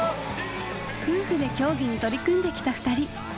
夫婦で競技に取り組んできた２人。